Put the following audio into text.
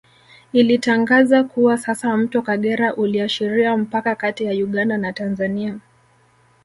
Ilitangaza kuwa sasa Mto Kagera uliashiria mpaka kati ya Uganda na Tanzania